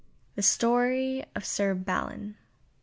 THE STORY OF SIR BALIN.